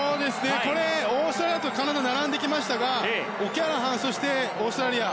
これ、オーストラリアとカナダが並んできましたがオキャラハン、そしてオーストラリア。